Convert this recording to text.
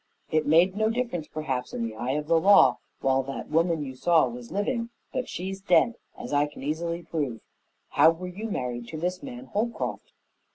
"It made no difference, perhaps, in the eye of the law, while that woman you saw was living, but she's dead, as I can easily prove. How were you married to this man Holcroft?"